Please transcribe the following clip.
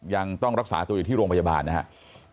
ยังต้องรักษาตัวอยู่ที่โรงพยาบาลนะครับ